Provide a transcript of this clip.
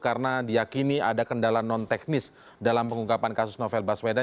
karena diyakini ada kendala non teknis dalam pengungkapan kasus novel baswedan